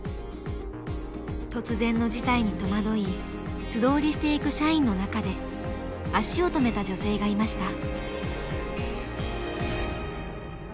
突然の事態に戸惑い素通りしていく社員の中で足を止めた女性がいました。